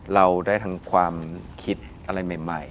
เราได้ทั้งความคิดอะไรใหม่